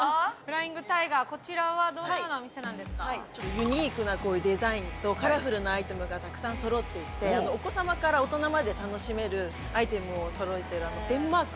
ユニークなこういうデザインとカラフルなアイテムがたくさんそろっていてお子様から大人まで楽しめるアイテムをそろえているデンマーク